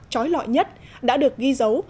trói lọi nhất đã được ghi dấu